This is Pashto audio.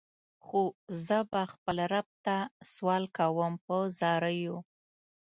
خو زه به خپل رب ته سوال کوم په زاریو.